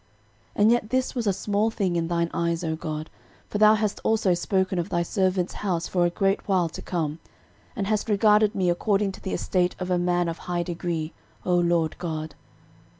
13:017:017 And yet this was a small thing in thine eyes, O God; for thou hast also spoken of thy servant's house for a great while to come, and hast regarded me according to the estate of a man of high degree, O LORD God.